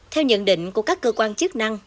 theo nhận định của các cơ quan chức năng